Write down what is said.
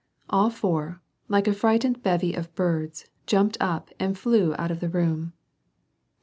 All four, like a frightened bevy of birds, jumped up and flew out of the room.